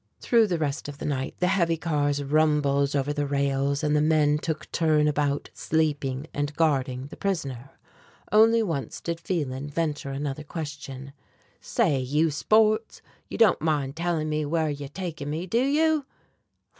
Through the rest of the night the heavy cars rumbled over the rails, and the men took turn about sleeping and guarding the prisoner. Only once did Phelan venture another question: "Say, you sports, you don't mind telling me where you are taking me, do you?"